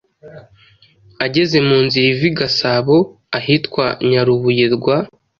ageze mu nzira ava i Gasabo ahitwa Nyarubuye rwa